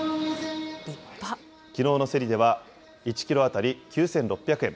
きのうの競りでは、１キロ当たり９６００円。